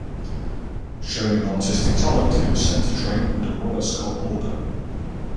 Showing an artistic talent he was sent to train under Robert Scott Lauder.